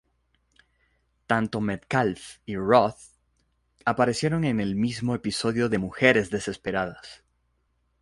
Tanto Metcalf y Roth aparecieron en el mismo episodio de "Mujeres desesperadas".